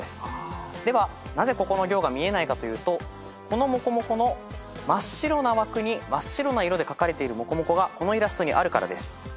ではなぜここの行が見えないかというとこのもこもこの真っ白な枠に真っ白な色でかかれているもこもこがこのイラストにあるからです。